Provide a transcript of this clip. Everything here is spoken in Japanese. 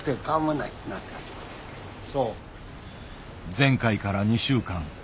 前回から２週間。